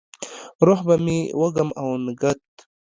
روح به مې وږم او نګهت،